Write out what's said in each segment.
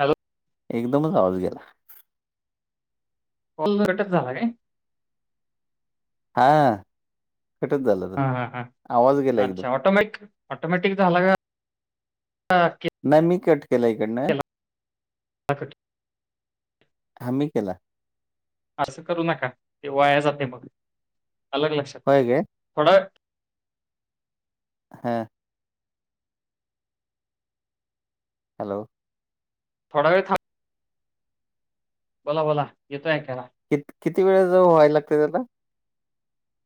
Hello, एकदमच आवाज गेला. फोन कल्टच झाला काय? हां हा कटच झालं तर आवाज गेला एकदम. ऑटोमॅिक ऑटोमॅटिक झाला का [unintelligible] नाही मी कट केला इकडनं. अस्च हमी केला. असं करू नका ते वाया जाते मग अलग लक्षात, होय काय, थोडावेळ, हा हॅलो, थोडवेळ था बोला बोला येतोय ऐकायला. कि किती वेळे ज व्हायला लागते ह्याला?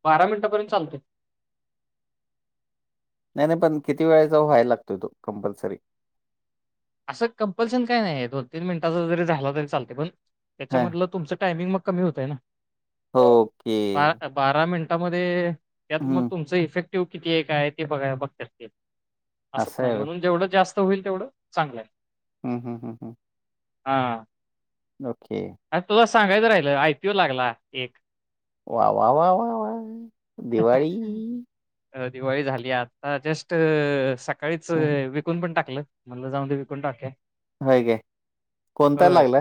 बारा मिनिटपर्यंत चालतय. नाही नाही पण किती वेळेचा जा व्हायला लागतोय तो कंपल्सरी? असं कंपल्शन काय नाही आहे दोन तीन मिनिटांच जरी झालं तरी चालते पण हां, त्याच्यामधलं तुमचं टायमिंग मग, कमी होतय ना ओके. बारा मिनटामध्ये, त्यात मग हं, तुमचं इफेक्टिव्ह किती एक काय आहे ते ब बघत्यात ते. असं पण आहे म्हणून जेवढं जास्त होईल तेवढं चांगलं आहे. हम् हम हम् हम, हा ओके. अरे तुला सांगायचं राहिल आय पीओ लागला एक. वा वा वा वा वा दिवाळी. अ दिवाळी झाली आता जस्ट सकाळीच हं, विकून पण टाकलं. मधलं जाऊन विकुन टाकुया. होय काय, कोणता लागला?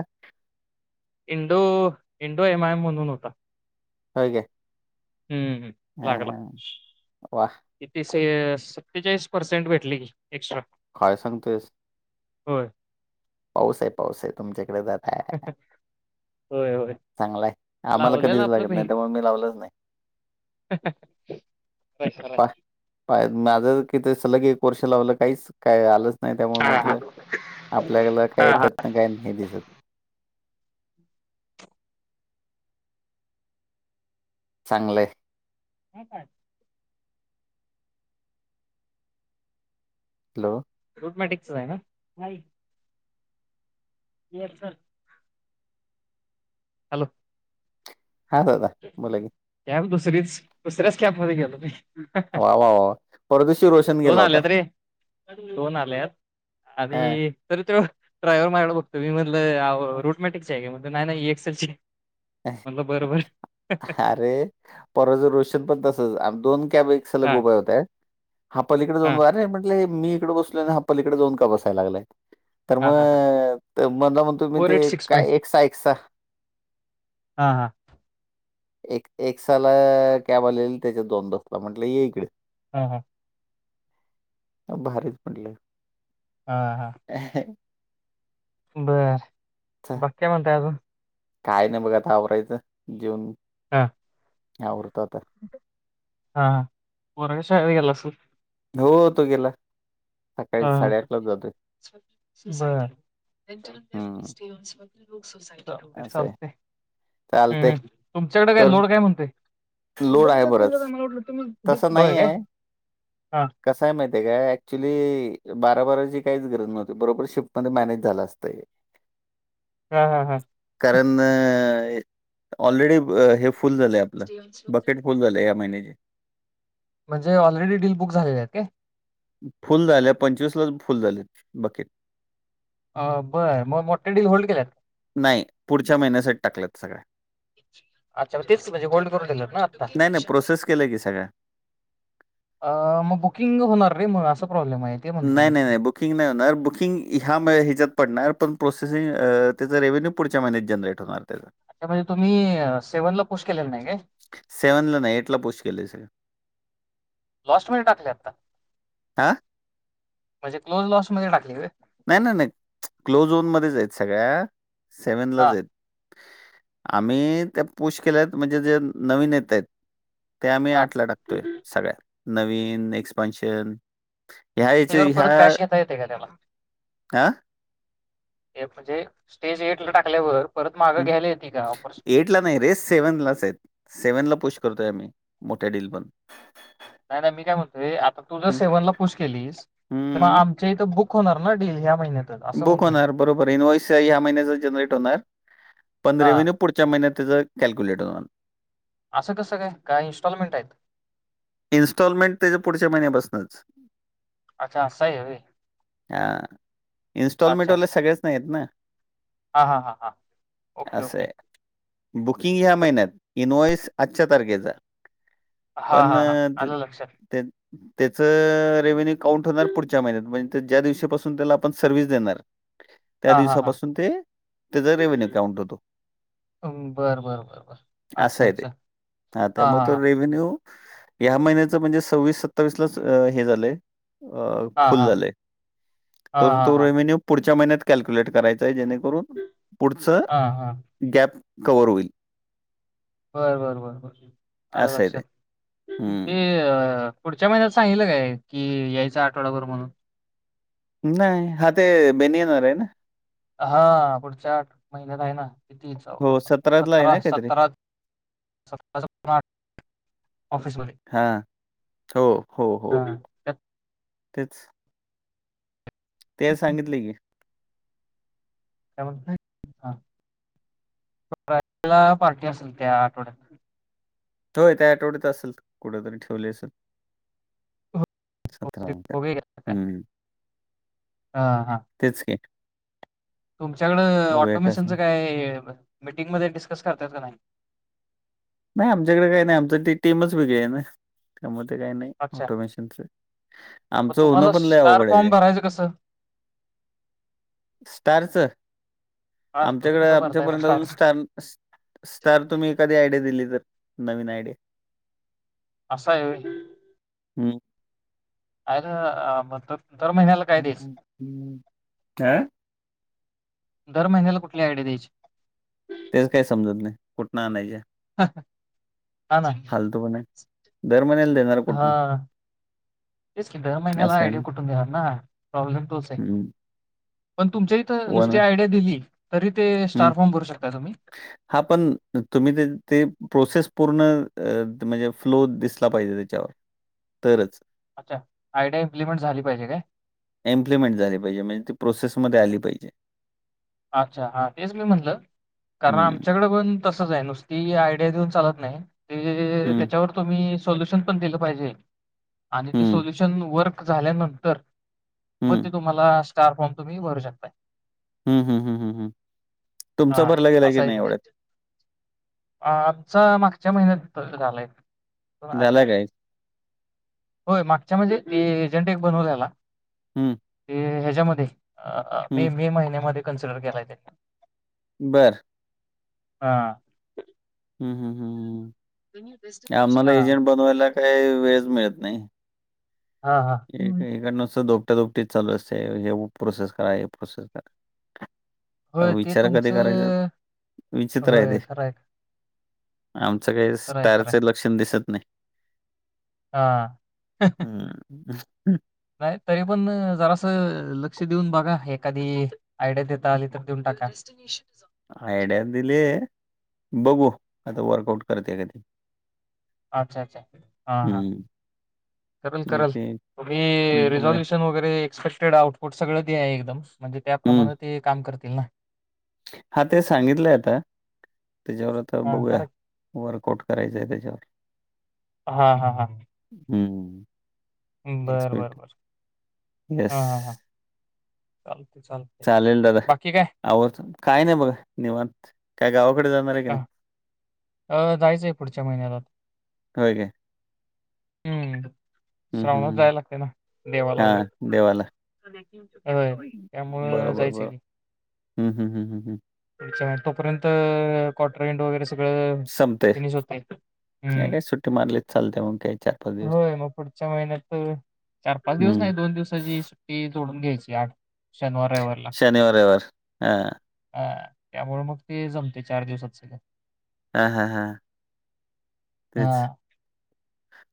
इंडो इंडो एम आयम म्हणून होता. हो का. हम्म लागला. वाह! किती सत्तेचाळीस पर्सेंट भेटली की एक्स्ट्रा काय सांगतेस. हो पाऊस आहे पाऊस आहे तुमच्याकडे जातय. व्हय चांगलाय आम्हाला कधी लागत नाही त्यामुळे मी लावलंच नाही. ब [inaudible] पा माझं कि सलग एक वर्ष लावलं काहीच काय आलंच नाही त्यामुळे हां, हां. म्हटलं आपल्याला हां, काय हां. ना काय हे दिसत नाही. चांगलय. ह काय [inaudible] हॅलो! रुटमॅटिकचच आहे ना. मचछा [unintelligible] हॅलो! हा दादा बोला की. न्यालतो सगळीच दुसऱ्याच कॅपमध्येध्ये गेलो मी. वा वा वा वा परवादीवशी रोशन गेला होता. दोन आल्यात, हा आणि तरी तो ड्रायव्हर माझ्याकडं बघतो, मी म्हनलं आव रूटमॅटिक ची आहे का, म्हनलं नाही नाही ही एक्सएल ची य. म्हनलं बर-बर. अरे, परवाच रोशन पण तसच आणि दोन कॅब एक सलग हां, उभ्या होत्या. हा पालीकडे जाऊन हां. उभा आरे म्हटलं मी इकडे बसलो आणि का पलीकडे जाऊन का बसायला लागलाय तर हां, मग हां, हां. मला म्हणलं म्हण तुम्ही ते काय एकसा एकसा हां एक्साला कॅब आलेली त्याच्यात जाऊन बसला म्हटलं ये इकडं. हां-हां. भारीच म्हणलं. हा-हा. अ [inaudible] बरं, चा- बाकी काय म्हणताय अजून? काय नाही बघ आता आवरायचं, जेवून हा. आवरतो आता. हा. पोरग शाळेत गेल असेल? हो, तो गेला. सकाळी हा, बर. साडेआठलाच जातोय हम्म असं आहे चालतंय-चालतंय. चालतंय हम-हम, तुमच्याकडे काय कर लोड काय म्हणतेय? हे बघितलं का तुम्ही मला वाटलं तसा होय नाहीये काय? हां, कसय माहिती काय, ऍक्च्युली बारा-बाराची काहीच गरज नव्हती, बरोबर शिफ्ट मध्ये मॅनेज झालं असतं हे. [inaudible] हा-हा-हा. कारण, ऑलरेडी हे फुल झालं आता. बकेट फुल झालं ह्या महिन्याचे. म्हणजे, ऑलरेडी डील बुक झालेल्या आहेत का? फुल झाल्या, पंचवीसलाच फुल झालेत बकेट. आ बर, मग मोठे डील होल्ड केल्यात? नाही, पुढच्या महिन्यासाठी टाकल्यात सगळ्या. अच्छा म्हणजे तेच की, म्हणजे होल्ड करून ठेवल्यात ना आत्ता? नाही, नाही प्रोसेस केलं की सगळ्या. अ, मग बुकिंग होणार रे, मग असा प्रॉब्लेम आहे. ते म्हणतोय मी. नाही-नाही-नाही बुकि बुकिंग नाही होणार, बुकिंग ह्या ह्याच्यात पडणार पण प्रोसेसिंग, त्याचा रेव्हेन्यू पुढच्या महिन्यात जनरेट होणार त्याचं. त्या म्हणजे तुम्ही, सेव्हन ला पोस्ट केलेल नाही काय? सेवन ला नाही एट ला पोस्ट केले सगळं. लॉस्ट मध्ये टाकले आत्ता. हां? म्हणजे क्लोज लॉस्ट मध्ये टाकली व्हय? नाही-नाही-नाही, क्लोजोनमध्येच आहेत सगळ्या सेव्हनलाच हां, आहेत. आम्ही त्या पुश केल्यात, म्हणजे जे नवीन येत आहेत त्या आम्ही हां. आट ला टाकतोय, सगळ्या नवीन, एक्स्पान्सन. त्याच्यावर परत कॅश घेता येते का त्याला? आ? म्हणजे, स्टेज एट ला टाकल्यावर, परत मागं हं. घ्यायला यती का ऑपर्च्युन नाही रे, सेवेनलाच ह्यात, सेव्हन ला पुश करतोय आम्ही मोठ्या डील पण. नाही-नाही मी काय म्हणतोय आता तू जर हं. सेव्हनला पूस केलीस, तर मग हं, आमच्या इथं बुक बुक होणार न डील ह्या महिन्यात. बुक होणार बरोबर, इन्वइस ह्या महिन्या जनरेट होणार, पंन हां, रिवीन्युऽ पुढच्या महिन्या त्याचं कॅल्क्युलेट होनार. असं कसं काय? काय इन्स्टॉलमेंट हाय? इन्स्टॉलमेंट त्याच्या पुढच्या महिन्यापासनच. अच्छा आसं हाय वय. इन्स्टॉलमेंट वाले सगळेच एत नाहीत ना, हां, हां, हां, हां. Okay, okay. असंय. बुकिंग ह्या महिन्यात, इन्वॉइस आजच्या तारखेचा. हां, पण हां, हां. आलं लक्षात. तेऽ त्याचं रेव्हन्यू काउंट होणार पुढच्या महिन्यात, म्हणजे ज्या दिवशीपासून त्याला आपण सर्विस देणार, त्या हां, हां, हां. दिवसापासून ते, त्याचा रेव्हेन्यू अकाउंट होतो. अं, बरं, बरं, बरं, बरं. अच्छा, असय ते, अच्छा. ह हां, त्यामुळे हां, तो हां. रेवन्यूऽ या महिन्याचं म्हणजे सव्वीस सत्तावीसलाच हे झालंय, हां, फुल हां. झालंय. हां, तर हां, तो हां. रेव्हेन्यू पुढच्या महिन्यात कॅल्क्युलेट करायचा आहे, जेणेकरून पुढचंऽ हां, हां. गॅप कवर होईल. बर बर बर, आलं असं आहे ते. लक्षात. हे हं. अ पुढच्या महिन्यात सांगितलं काय? की यायचं आठवडाभर म्हणून. नाही, हा ते बहिणी येणार हाय ना. हा, पुढच्या आ महिन्यात हाय ना. हो, [unintelligible] च आहे ना सतरा, काहीतरी? सतरा सतरा च्या पूढं आठ ऑफिसमध्ये. हा, हो हो हो, हां. त्यात तेच. ते सांगितले की. काय म्हणला? हा. सतरा तारखेला पार्टी असल त्या आठवड्यात. होय, त्या आठवड्यात असल, कुठतरी ठेवली असल. हो, सतरा ते क बघूया की आता काय. हम् हां, हां. तेच की. तुमच्याकडं बघूया ऑटोमेशनचं कसं. काय, मीटिंगमध्ये डिस्कस करत्यात काय नाही? नाही आमच्याकडे काही नाही, आमच ते टीमच वेगळी हाय ना, त्यामध्ये काही नाही अच्छा. ऑटोमेशनच. मग आमचं होनं तुम्हाला पण लय स्टार आवघड हाय फॉर्म ते. भरायचं कसं? स्टारच, हां, तुम्ही आमच्याकडे कसं आमच्या भरताय मग पर्यंत अजून स्टार स्टार तुम्ही एखादी आयडिया दिली तर, नवीन आयडिया. आसं हाय व्हय. हू. आर आ म दर महिन्याला काय द्यायचं? काय? दर महिन्याला कुठली आयडीया द्यायची? तेच काय समजत नाही. कुठन आणायच्या हां ना. फालतू पणा. दर महिन्याला देणार कुठनं हा. तेच की, दर महिन्याला असं आहे आयडिया ना कुटून देणार ना? प्रॉब्लेम तोच हाय. हम्म. पण तुमच्या इथ वन नुसती आयडिया दिली, तरी ते हम्म. स्टार फॉर्म भरू शकताय तुम्ही. हा पण, तुम्ही ते प्रोसेस पूर्ण अ अ म्हणजे फ्लो दिसला पाहिजे तरच. अच्छा, आयडिया इमप्लीमेंट झाली पाहिजे काय. एम्प्लिमेंट झाली पाहिजे म्हणजे ती प्रोसेसमध्ये आली पायजे. अच्छा, हा तेच मी म्हणलं, कारण हम्म आमच्याकड पण तसच हाय, नुसती आयडिया देऊन चालत नाही. ते जे जे हम्म त्याच्यावर तुम्ही सोल्युशन पण दिलं पाहिजे. आणि ते हम्म सोल्युशन वर्क झाल्यानंतर, मग हम्म ते तुम्हाला स्टार फॉर्म तूम्ही भरू शकताय. हू हू हू हू हू, तुमच हा भरला गेलाय का नाही एवढ्यात? आ आमचा मागच्या महिन्यात तस झालय. झाला काय? होय मागच्या म्हणजे ए एजंट एक बनवलेला हू. ते हेज्यामध्ये मे महिन्यामध्ये कन्सिडर केलाय त्यांनी. बरं. हा. हू हू हू आम्हाला एजंट बनवायला काही वेळच मिळत नाही. हा हा हा. ही हिकडं नुसतं धोपटा धोपटीच चालू असते. हे प्रोसेस करा, हे प्रोसेस करा. अ होय ते विचार कधी करायचं. तुमचं विचित्र हाय ते. होय खरंय आमचं काही खरंय खरंय स्टारचं लक्षण दिसत नाही. हा. हम्म नाही तरी पण जरासं लक्ष देऊन बघा एखादी आयडिया देता आली तर देऊन टाका. आयडिया दिले. बघू आता वर्कआउट करते का ते. अच्छा अच्छा हा हा हं. करल आणि करल ते तुम्ही बघूया. रिझॉल्युशन वगैरे एक्सपेक्टेड आउट पूट सगळं द्या एकदम म्हणजे त्याप्रमाणे ते काम करतील ना. हा ते सांगितलंय आता त्याच्यावर आता हां, बघूया. करेक्ट. वर्कआउट करायचंय त्याच्यावर. हा हा हा हम्म बरं बर एक्सपेक्ट बर येस. हा ह ह चालतय चालतय. चालेल दादा आवरतो. काय नाही बघा निवांत. काय गावाकडे जाणार आहे का नाही? हो जायचंय पुढच्या महिन्यात आता होय काय? हं, हं, श्रावणात हं. जायाय लागतय ना देवाला हां, वगैरे. देवाला. होय त्यामुळं जायच की. हम् हम हम हम हम अ तोपर्यंत क्वॉर्टर इंड वगैरे सगळ फिनिश होतय. नाही काय सुट्टी मारली तर चालते मग काही चार पाच दिवस. होय मग पुढच्या महिन्यात चार पाच दिवस हं. नाही दोन दिवसाची सुट्टी टी जोडून घ्यायची आठ शनिवार रविवारला. शनिवार, रविवार. हां. ह त्यामुळे मग ते जमते चार दिवसात सगळ. हा हा हा तेच हा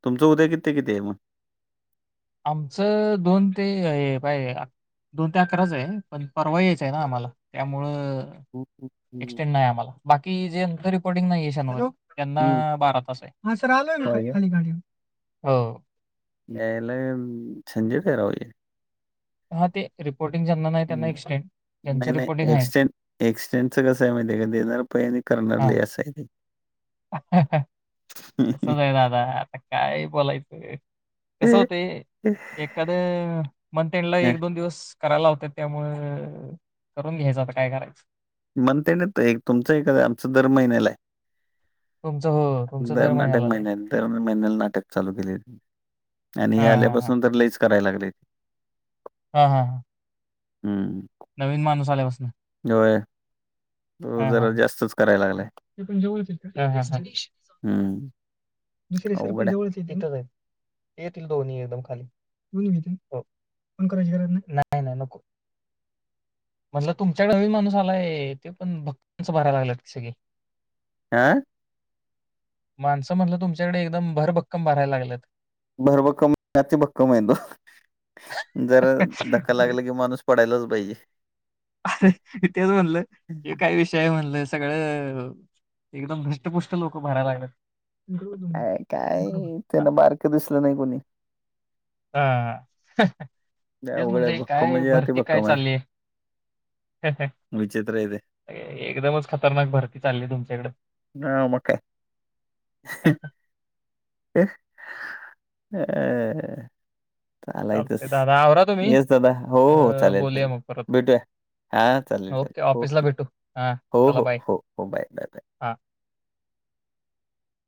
तुमचं उद्या किती ते किती आहे मग? आमचं दोन ते हे दोन ते अकराच आहे पण परवा यायच आहे ना आम्हाला त्यामुळं [unintelligible] एक्सटेंड नाही आम्हाला बाकी जेंच रिपोर्टिंग नाही शनिवारी त्यांना हं. हं. बारा तास आहे. हा सर आलोय मी होय का? खाली गाडी घेऊन. हो च्यायल झंझट हाय राव ही. हा ते रिपोर्टिंग ज्यांना नाही त्यांना हं. एक्सडेंट ज्याचं रिपोर्टिंग आहे एक्सटेंडच कसं आहे माहिती आहे का देणार पई आणि करणार हा लय असाय ते. तस नाही दादा आता काय बोलायचं कस होतय एक एखाद मंथएंडला हं, एक दोन दिवस करायला लावतात त्यामुळं करून घ्यायचं आता काय करायचं. मंथ एंड तुमचं एकच आहे. आमचं दर महिन्याला आहे. तुमचं हो तुमचं दर महिन्याला आहे. दर महिन्याला नाटक चालू केले यांनी आणि हा हे हा हा आल्यापासून तर लईच करायला लागले. [inaudible] हम्म नवीन माणूस आल्यापसन होय ह तो ह जरा जास्तच करायला लागलाय. ते पण जवळच आहे का? हं हं हं. दुसरें सर पण जवळच आहे तिथंच आहे. येतील दोन्ही एकदम खाली. दोन्ही बी येतील? हो. फोन करायची गरज नाय? नाय, नाय नको. म्हणलं तुमच्याकडे नवीन माणूस आलाय, त्यो पण भक्तच भराय लागलात की सगळी. [unintelligible] माणसं म्हटलं तुमच्याकडे एकदम भरभक्कम भरायला लागलेत. भरभक्कम ते भक्कम आहे वो जरा धक्का अरे लागला की माणूस पडायलाच पाहिजे. तेच म्हणलं हे हम्म. काही विषय आहे म्हणलं सगळं एकदम धस्टपुष्ट लोकं भरायला लागलेत. काय हा त्यांना बारकं दिसलं नाही कोणी. हाहा हं. ते तेच अवघड आहे. म्हणलंय भक्कम काय म्हणजे भरती काय अतिभक्कम आहे. चाललीय? विचित्र आहे ते. एकदमच खतरनाक भरती चाललीय तुमच्याकडे. हं मग काय. [unintelligible] चालायचंच. चालतंय दादा आवरा तुम्ही येस दादा हो, अं, चालेल, बोलूया चालेल मग परत भेटूया. हां, चालेल, चालेल ऑफिसला ओके. भेटू हा चला होहो बाय हो बाय बाय बाय. हा